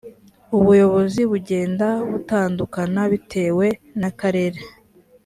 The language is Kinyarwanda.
ubuyobozi bugenda butandukana bitewe n ‘akarere .